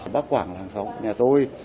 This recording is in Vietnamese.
bác quảng là hàng xóm của nhà tôi